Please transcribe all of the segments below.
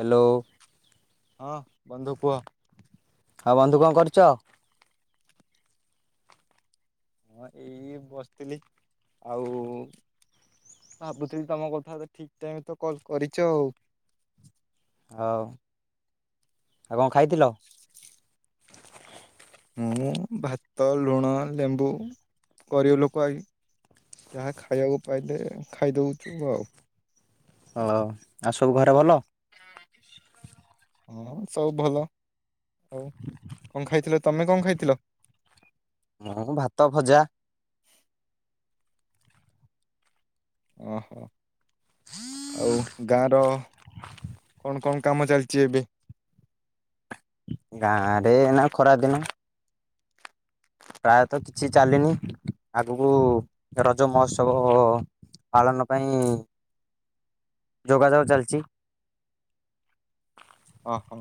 Hello ହଁ ବନ୍ଧୁ କୁହ ଆଉ ବନ୍ଧୁ କଣ କରୁଛ ହଁ ଏଇ ବସିଥିଲି ଆଉ ଭାବୁଥିଲି ତମ କଥା ତ ଠିକ ଟାଇମ ତ କଲ୍ କରିଛ ହଉ ଆଉ କଣ ଖାଇଥିଲ ମୁଁ ଭାତ ଲୁଣ ଲେମ୍ବୁ ଗରିବ ଲୋକ ଆଜ୍ଞା ଯାହା ଖାଇବାକୁ ପାଇଲେ ଖାଇଦଉଛୁ ଆଉ ହଉ ଆଉ ସବୁ ଘରେ ଭଲ ହଁ ସବୁ ଭଲ ହଉ କଣ ଖାଇଥିଲ ତମେ କଣ ଖାଇଥିଲ ମୁଁ ଭାତ ଭଜା ଓହୋ ଆଉ ଗାଁର କଣ କଣ କାମ ଚାଲିଛି ଏବେ ଗାଁରେ ଏଇନା ଖରାଦିନ। ପ୍ରାୟତଃ କିଛି ଚାଲିନି। ଆଗକୁ ରଜ ମହୋତ୍ସବ ପାଳନ ପାଇଁ ଯୋଗାଯୋଗ ଚାଲିଚି। ଓହୋ।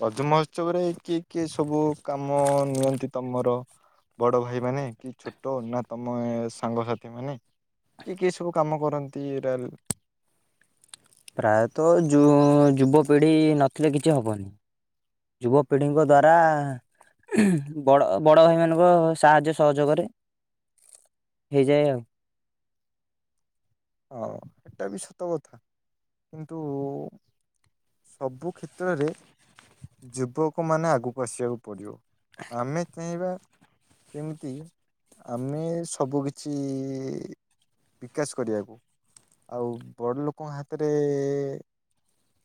ରଜ ମହୋତ୍ସବରେ କିଏ କିଏ ସବୁ କାମ ନିଅନ୍ତି, ତମର? ବଡ଼ଭାଇମାନେ କି ଛୋଟ ନା ତମେ ସାଙ୍ଗସାଥି ମାନେ କିଏ କିଏ ସବୁ କାମ କରନ୍ତି? ଏରା ପ୍ରାୟତଃ ଯୁ ଯୁବପିଢ଼ି ନଥିଲେ କିଛି ହବନି। ଯୁବପିଢ଼ିଙ୍କ ଦ୍ଵାରା ବଡ ବଡ ଭାଇମାନଙ୍କ ସାହାଯ୍ୟ ସହଯୋଗରେ ହେଇଯାଏ ଆଉ। ହଁ, ହେଟା ବି ସତ କଥା। କିନ୍ତୁ ସବୁ କ୍ଷେତ୍ରରେ ଯୁବକମାନେ ଆଗକୁ ଆସିବାକୁ ପଡ଼ିବ। ଆମେ ଚାହିଁବା ଯେମିତି ଆମେ ସବୁ କିଛି ବିକାଶ କରିବାକୁ। ଆଉ ବଡ ଲୋକଙ୍କ ହାତରେ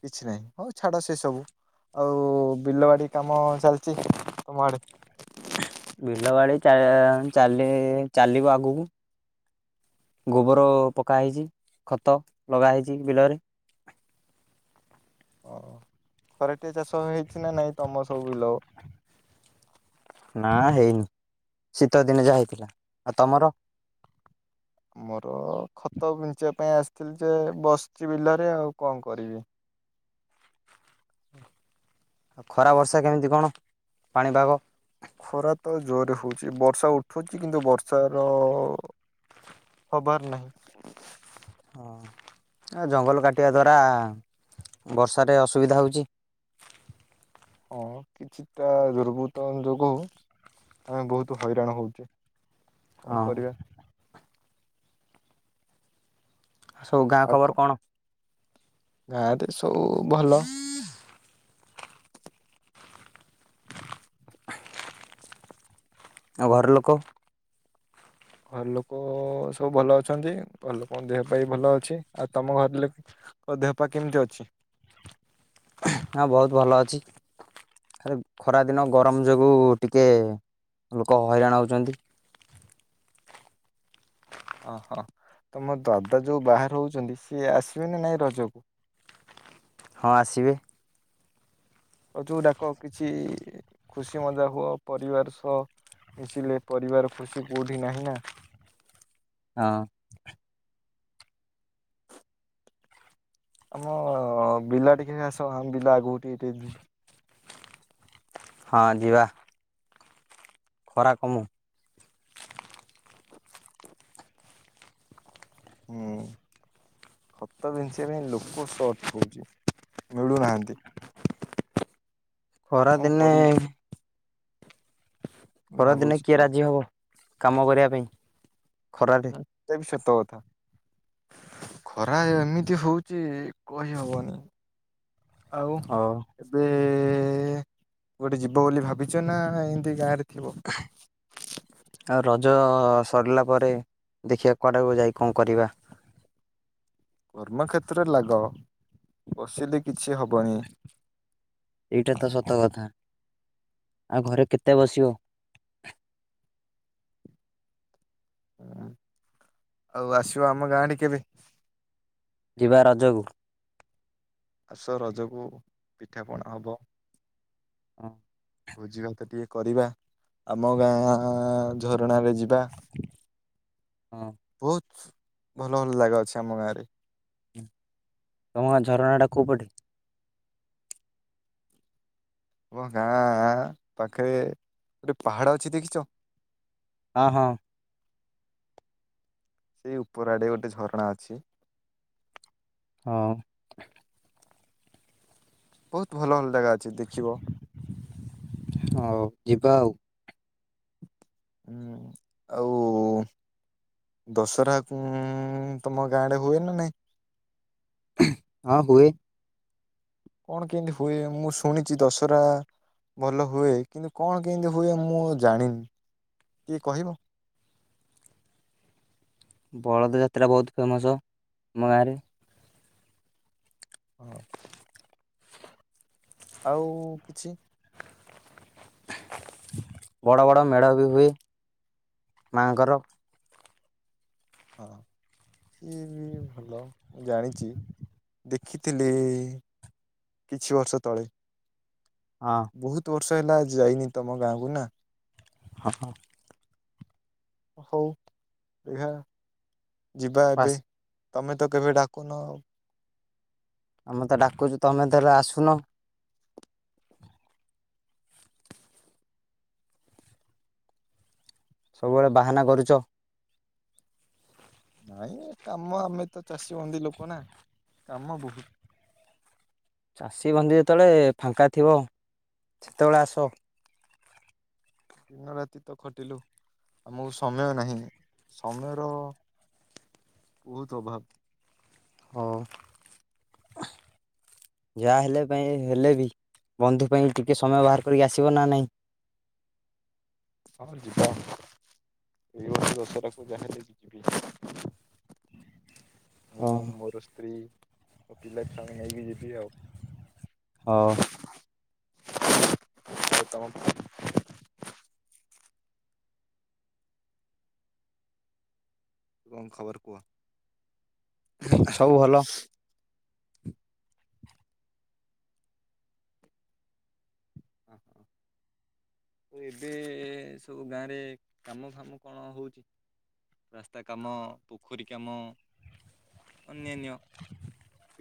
କିଛି ନାହିଁ। ହଉ ଛାଡ ସେ ସବୁ। ଆଉ ବିଲ ବାଡି କାମ ଚାଲିଚି, ତମ ଆଡେ? ବିଲବାଡ଼ି ଚା ଚାଲି ଚାଲିବ ଆଗକୁ। ଗୋବର ପକାହେଇଚି। ଖତ ଲଗାହେଇଚି ବିଲରେ। ଓ, ଖରାଟିଆ ଚାଷ ହେଇଛି ନା ନାଇଁ? ତମ ସବୁ ବିଲ ନା ହେଇନି। ଶୀତଦିନେ ଯାହା ହେଇଥିଲା। ଆଉ ତମର? ଆମର ଖତ ବିଞ୍ଚିବା ପାଇଁ ଆସିଥିଲି ଯେ ବସିଚି ବିଲରେ, ଆଉ କଣ କରିବି? ଆଉ ଖରା ବର୍ଷା କେମିତି, କଣ ପାଣିପାଗ? ଖରା ତ ଜୋରରେ ହଉଚି। ବର୍ଷା ଉଠୁଚି କିନ୍ତୁ ବର୍ଷାର ହବାର ନାହିଁ। ହଁ, ଆ ଜଙ୍ଗଲ କାଟିବା ଦ୍ୱାରା ବର୍ଷାରେ ଅସୁବିଧା ହଉଚି। ହଁ, କିଛିଟା ଦୁର୍ବୃତ୍ତଙ୍କ ଯୋଗୁ ଆମେ ବହୁତ ହଇରାଣ ହଉଚେ। ହଁ। କଣ କରିବା? ସବୁ ଗାଁ ଖବର କଣ? ଗାଁରେ ସବୁ ଭଲ। ଆଉ ଘର ଲୋକ? ଘର ଲୋକ ସବୁ ଭଲ ଅଛନ୍ତି। ଘର ଲୋକଙ୍କ ଦେହ ପା ବି ଭଲ ଅଛି। ଆଉ ତମ ଘର ଙ୍କ ଦେହ ପା କେମିତି ଅଛି? ହଁ, ବହୁତ ଭଲ ଅଛି। ଆଉ ଖରାଦିନ ଗରମ ଯୋଗୁଁ ଟିକେ ଲୋକ ହଇରାଣ ହଉଚନ୍ତି। ଓହୋ, ତମ ଦାଦା ଯୋଉ ବାହାରେ ହଉଚନ୍ତି, ସିଏ ଆସିବେ ନା ନାଇଁ ରଜକୁ? ହଁ, ଆସିବେ। ଅ ଯୋଉ ଡାକ କିଛି ଖୁସି ମଜା ହୁଅ। ପରିବାର ସହ ମିଶିଲେ ପରିବାର ଖୁସି କୋଉଠି ନାହିଁ ନା। ହଁ। ଆମ ବିଲା ଟିକେ ଆସ। ଆମ ବିଲା ଆଗକୁ ଟିକେ ଟିକେ ଯିବା। ହଁ, ଯିବା। ଖରା କମୁ। ହୁଁ। ଖତ ବିନ୍ଷିବା ପାଇଁ ଲୋକ ସଟ ହେଉଛି ମିଳୁନାହାଁନ୍ତି। କଣ ଖରାଦିନେ କରିବି ଖରା ଦିନେ ଭାବୁଛି କିଏ ଆଉ ରାଜି ହବ କାମ କରିବା ପାଇଁ ଖରା। ସେ ବି ସତଥା। ଖରା ଏମିତି ହଉଛି କହିହବନି ଆଉ ହଉ। ଏବେ ଗୋଟେ ଯିବ ବୋଲି ଭାବିଛ ନା ଏମିତି ଗାଁ ରେ ଥିବ। ଆଉ ରଜ ସରିଲା ପରେ ଦେଖିବାକୁ କୁଆଡ଼େକୁ ଯାଇ କଣ କରିବା। କର୍ମକ୍ଷେତ୍ର ଲାଗ ପସିଲେ କିଛି ହବନି। ଏଇଟା ତ ସତ କଥା ଆଉ ଘରେ କେତେ ବସିବ। ହୁଁ ଆଉ ଆସିବ ଆମ ଗାଁ ଟ କେେ ବି ଯିବା ରଜକୁ ଆାସ ରଜକୁ ପିଠାପଣା ହବ। ହଁ। ଭୋଜି ଭାତ ଟିକେ କରିବା ଆମ ଗାଁ ଝରଣାରେ ଯିବା। ହଁ। ବହୁତ ଭଲ ଭଲ ଜାଗା ଅଛି ଆମ ଗାଁ ରେ ତୁମ ଝରଣାଟା କେଉଁ ପଠି। ହୁ ଗାଁ ପାଖେ ଗୋଟେ ପାହାଡ଼ ଅଛି ଦେଖିଛ ହ ହଁ। ସେଇ ଉପର ଆଡେ ଗୋଟେ ଝରଣା ଅଛି। ହଉ। ବହୁତ ଭଲ ଭଲ ଜାଗା ଅଛି ଦେଖିବ। ହଉ ଯିବା ଆଉ। ହୁଁ ଆଉ। ଦଶହରା ଉ ତମ ଗାଁଡେ ହୁଏନ ନାଇଁ ହଁ ହୁଏ। କଣ କେମିତି ହୁଏ ମୁଁ ଶୁଣିଛି ଦଶହରା। ଭଲ ହୁଏ କିନ୍ତୁ କଣ କେମିତି ହୁଏ ମୁଁ ଜାଣିନି ଟିକେ କହିବ। ବଳଦ ଯାତ୍ରା ବହୁତ ଫେମସ ଆମ ଗାଁରେ ହଁ ଆଉ କିଛି ବଡ଼ ବଡ଼ ମେଢ଼ ବି ହୁଏ ମାଆଙ୍କର ହଁ ସିଏ ବି ଭଲ ମୁଁ ଜାଣିଛି। ଦେଖିଥିଲେ କିଛି ବର୍ଷ ତଳେ। ହଁ ବହୁତ ବର୍ଷ ହେଲା ଯାଇନି ତମ ଗାଁକୁ ନା। ହଁ ହଁ ହଉ [inaudible] ଏହା [inaudible] ଯିବା ଏବେ ବାସ୍ [inaudible] ତମେ ତ କେବେ ଡାକୁନ ଆଉ। ଆମେ ତ ଡାକୁଚୁ ତମେ ଧରେ ଆସୁନ। ସବୁବେଳେ ବାହାନା କରୁଚ। ନାଇଁ କାମ ଆମେ ତ ଚାଷୀ ବନ୍ଦୀ ଲୋକ ନା [inaudible] କାମ ବହୁ ଚାଷୀ ବନ୍ଦି ଯେତେବେଳେ ଫାଙ୍କା ଥିବ [inaudible] ସେତେବେଳେ ଆସ। ଦିନ ରାତି ତ ଖଟିଲୁ ଆମକୁ ସମୟ ନାହିଁ ସମୟର ବହୁତୁ ଅଭାବ। ହଉ। [inaudible] [unintelligible] ଯାଆ ହେଲେ ପାଇଁ ହେଲେ ବି ବନ୍ଧୁ ପାଇଁ ଟିକେ ସମୟ ବାହାର କରିକି ଆସିବ ନା ନାଇଁ। ହଁ ଯିବା। [unintelligible] ଯାହେଲେ ଯିବି। [inaudible] ମୁଁ ହଁ। ମୋର ସ୍ତ୍ରୀ ମୋ ପିଲା ଛୁଆ ଙ୍କୁ ନେଇକି ଯିବି ଆଉ। ହଉ। [unintelligible] ତମ କଂ ଖବର କୁଅ। ସବୁ ଭଲ। [inaudible] ଓ ଏବେ ସବୁ ଗାଁରେ କାମ ଫାମ କଣ ହଉଛି। ରାସ୍ତା କାମ ପୋଖରୀ କାମ [inaudible] ଅନ୍ୟାନ୍ୟ।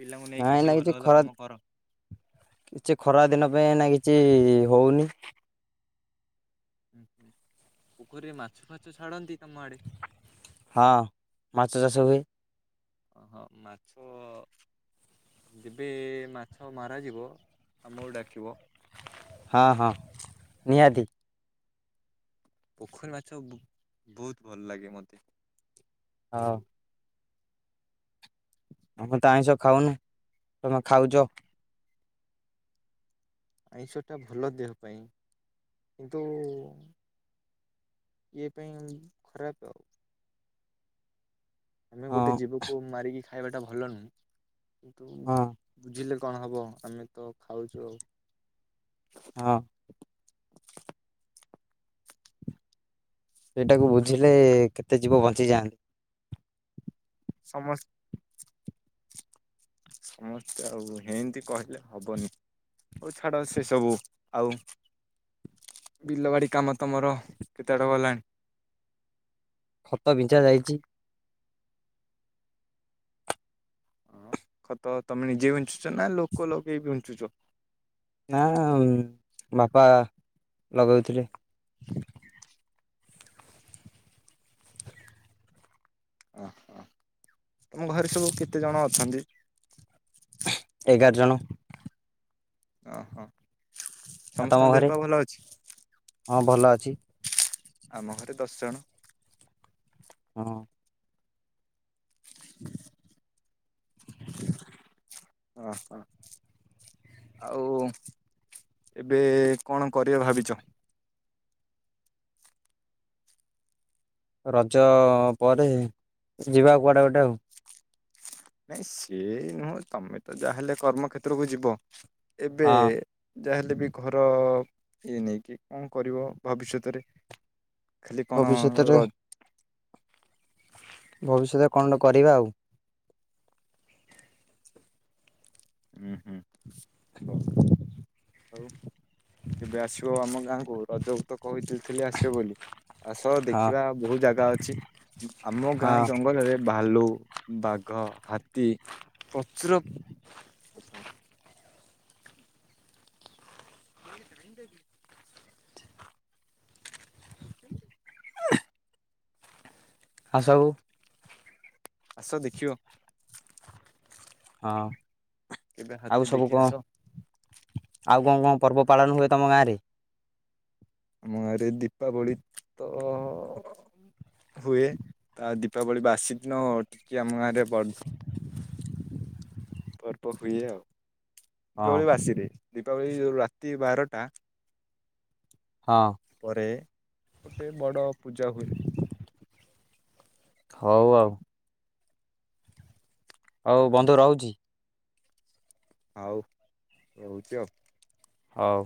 ପିଲାଙ୍କୁ ନେଇ ନାଇଁ ନା କିଛି ଭଲ ଭଲ ଖରା କାମ କର। କିଛି ଖରା ଦିନ ପାଇଁ ଅଇନା କିଛି ହଉନି। ହୁଁ ହୁଁ ପୋଖରୀରେ ମାଛ ଫାଛ ଛାଡ଼ନ୍ତି ତମ ଆଡ଼େ ହଁ ମାଛ ଚାଷ ହୁଏ। ଓହୋ ମାଛ ଯେବେ ମାଛ ମାରାଯିବ ଆମକୁ ଡାକିବ। ହଁ ହଁ ନିହାତି। ପୋଖରୀ ମାଛ ବୁ ବହୁତ ଭଲ ଲାଗେ ମତେ। [unintelligible] ଆମେ ତ ଆଇଁଷ ଖାଉନୁ ତମେ ଖାଉଛ। ଆଇଁଷ ଟା ଭଲ ଦେହ ପାଇଁ କିନ୍ତୁ ଇଏ ପାଇଁ ଖରାପ ଆଉ। ଆମେ ଗୋଟେ ହଁ ଜୀବକୁ ମାରିକି ଖାଇବାଟା ଭଲ ନୁହଁ ହଁ କିନ୍ତୁ ବୁଝିଲେ କଣ ହବ। ଆମେ ତ ଖାଉଛୁ ଆଉ। [unintelligible] ହଁ ଏଇଟାକୁ ବୁଝିଲେ କେତେ ଯିବ ବଞ୍ଚିଯାଆନ୍ତି। ସମସ୍ ସମସ୍ତେ ଆଉ ହେନ୍ତି କହିଲେ ହବନି। ଆଉ ଛାଡ ସେ ସବୁ ଆଉ ବିଲ ବାଡି କାମ ତମର କେତେ ବାଟ ଗଲାଣି। ଖତ ବିଂଚା ଯାଇଛି। ହଁ ଖତ ତମେ ନିଜେ ବିଞ୍ଚୁଚ ନା ଲୋକ ଲଗେଇ ବିଂଚୁଚ। ନାଅଙ୍ଗ ବାପା ଲଗେଇଥିଲେ। [unintelligible] ଅ ହ ତମ ଘରେ ସବୁ କେତେ ଜଣ ଅଛନ୍ତି। ଏଗାର ଜଣ। ଅହ ଆଉ ତମ ସମସ୍ତଙ୍କ ଦେହ ଘରେ ପା ଭଲ ଅଛି। ହଁ ଭଲ ଅଛି [unintelligible] [unintelligible] ଆମ ଘରେ ଦଶ ଜଣ। ହଁ [unintelligible] ଓ ହ ଆଉ ଏବେ କଣ କରିବା ଭାବିଛ ରଜ ପରେ ଯିବା କୁଆଡେ ଗୋଟେ ଆଉ ନାଇଁ ସିଏ ନୁହଁ ତମେ ତ ଯାହାହେଲେ କର୍ମକ୍ଷେତ୍ରକୁ ଯିବ ଏବେ ହଁ ଯାହାହେଲେ ବି ଘର- ଇଏ ନେଇକି କଣ କରିବ ଭବିଷ୍ୟତରେ ଖାଲି କଣ ଭବିଷ୍ୟତରେ ରଜ୍ ଭବିଷ୍ୟତରେ କଣ ଟା କରିବା ଆଉ ଉଁ ହୁଁ ଆଉ କେବେ ଆସିବ ଆମ ଗାଁକୁ ରଜଗୁପ୍ତ କହିଥିଲ୍ ଥିଲି ଆସିବ ବୋଲି ଆସ ହଁ ଦେଖିବା ବହୁତ୍ ଜାଗା ଅଛି ଆମ ଗାଁ ହଁ ଜଙ୍ଗଲରେ ଭାଲୁ, ବାଘ, ହାତୀ, ପ୍ରଚୁରତ୍ [inaudible] ଆଉ ସବୁ ଆସ ଦେଖିବ। ହଁ କେବେ ହାତୀ ଆଉ ସବୁ ଦେଖି କଣ ଆସ ଆଉ କଣ କଣ ପର୍ବ ପାଳନ ହୁଏ ତମ ଗାଁରେ। ଆମ ଗାଁରେ ଦୀପାବଳି ତଅ ହୁଏ ତା ଦୀପାବଳି ବାସି ଦିନ ଟିକେ ଆମ ଗାଁରେ ବ ପର୍ବ ହୁଏ ଆଉ ହଁ ଦୀପାବଳି ବାସିରେ ଦୀପାବଳି ମୁଁ ଯଉଁ ରାତି ବାରଟା ହଁ ପରେ ଗୋଟେ ବଡ଼ ପୂଜା ହୁଏ। ହଉ ଆଉ ଓଉ ଆଉ କଣ ବନ୍ଧୁର ରହୁଚି। ଆଉ ରହୁଚି ଆଉ ହଉ